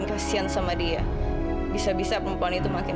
nomor yang kamu panggil tidak dapat dihubungi